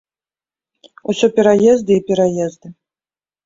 Усё пераезды і пераезды.